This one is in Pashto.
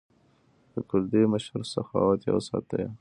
د کوردي مشر سخاوت یې وستایه.